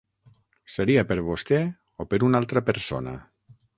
Seria per vostè, o per una altra persona?